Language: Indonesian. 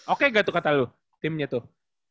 oke nggak tuh kata lo timnya tuh